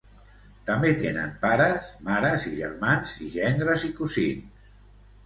També tenen pares, mares i germans i gendres i cosins.